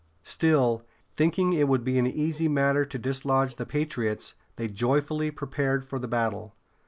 Still, thinking it would be an easy matter to dislodge the patriots, they joyfully prepared for the battle.